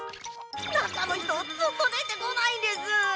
なかのひとずっとでてこないんです！